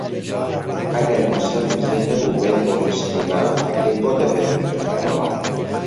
ئەگەر نووسەر ووزەی نەبووبێت بۆ نووسینی بابەتەکەی بۆ دەبێت من بیخوێنمەوە؟